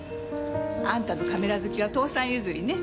あんたのカメラ好きは父さん譲りね。